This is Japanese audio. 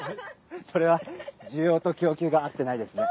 それは需要と供給が合ってないですね。